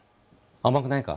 甘くないか？